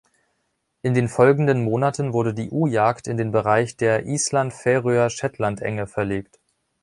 In den folgenden Monaten wurde die U-Jagd in den Bereich der Island-Färöer-Shetland-Enge verlegt.